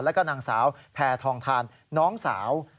แล้วก็นางสาวแพทองทานน้องสาว